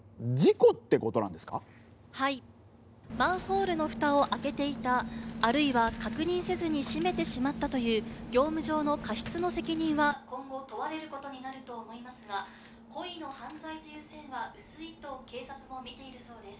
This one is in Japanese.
「マンホールの蓋を開けていたあるいは確認せずに閉めてしまったという業務上の過失の責任は今後問われる事になると思いますが故意の犯罪という線は薄いと警察も見ているそうです」